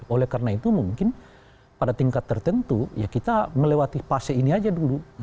oleh karena itu mungkin pada tingkat tertentu ya kita melewati fase ini aja dulu